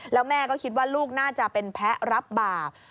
แล้วแม่ก็คิดว่าลูกน่าจะเป็นแพ้รับบาป